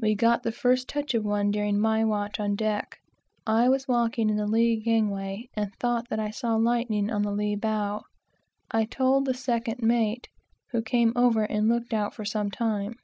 We got the first touch of one during my watch on deck. I was walking in the lee gangway, and thought that I saw lightning on the lee bow. I told the second mate, who came over and looked out for some time.